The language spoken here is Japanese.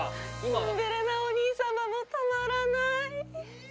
ツンデレなお兄様もたまらない！